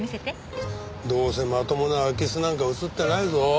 どうせまともな空き巣なんか映ってないぞ。